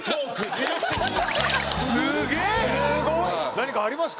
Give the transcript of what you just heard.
何かありますか？